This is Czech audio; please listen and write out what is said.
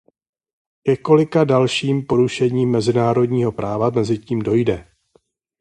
Ke kolika dalším porušením mezinárodního práva mezitím dojde?